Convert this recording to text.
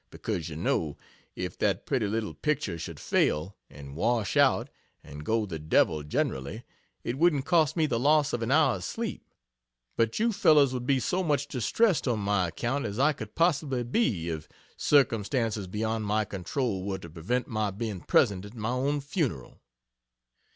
because, you know, if that pretty little picture should fail, and wash out, and go the Devil generally, it wouldn't cost me the loss of an hour's sleep, but you fellows would be so much distressed on my account as I could possibly be if "circumstances beyond my control" were to prevent my being present at my own funeral.